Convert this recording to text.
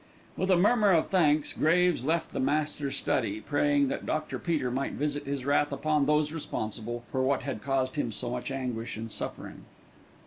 With a murmur of thanks Graves left the Master's study, praying that Dr. Peter might visit his wrath upon those responsible for what had caused him so much anguish and suffering.